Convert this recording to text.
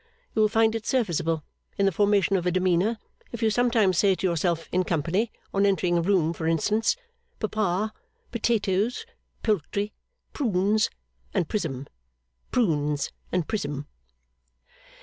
You will find it serviceable, in the formation of a demeanour, if you sometimes say to yourself in company on entering a room, for instance Papa, potatoes, poultry, prunes and prism, prunes and prism.